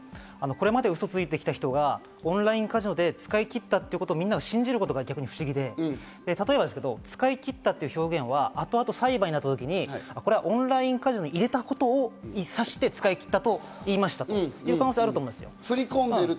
これまで嘘ついてきた人がオンラインカジノで使い切ったということをみんなが信じることが逆に不思議で、使い切ったという表現は後々裁判になった時にこれはオンラインカジノに入れたことを指して使い切ったと言いましたと言う可能性があると思います。